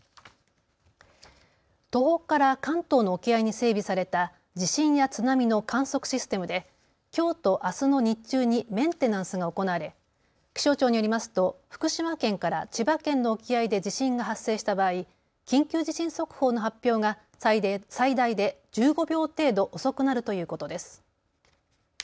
東北から関東の沖合に整備された地震や津波の観測システムできょうとあすの日中にメンテナンスが行われ気象庁によりますと福島県から千葉県の沖合で地震が発生した場合、緊急地震速報の発表が最大で１５秒程度遅くなるということです。